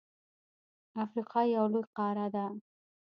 افریقا یو لوی قاره ده.